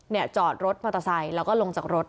จอดรถมอเตอร์ไซค์แล้วก็ลงจากรถ